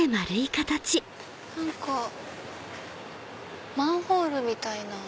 何かマンホールみたいな。